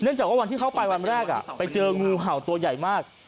เนื่องจากว่าว่าที่เข้าไปวันแรกอ่ะไปเจองื้อเห่าตัวใหญ่มาก